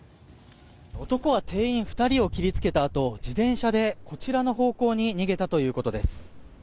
男は店員２人を切りつけたあと自転車でこちらの方向に逃げたということです。